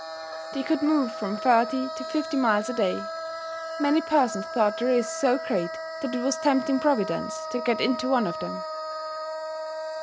They could move from thirty to fifty miles a day. Many persons thought the risk so great that it was tempting Providence to get into one of them.